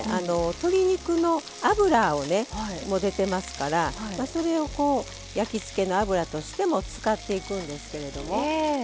鶏肉の脂も出てますからそれを焼き付けの油としても使っていくんですけれども。